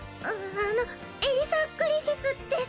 あのエリサ＝グリフィスです